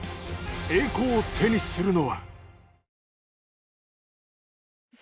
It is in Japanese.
栄光を手にするのは？